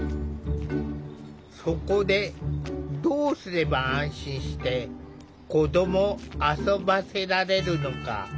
そこでどうすれば安心して子どもを遊ばせられるのか。